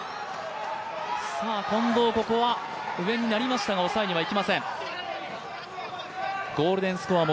近藤、ここは上になりましたが抑えにはいきません。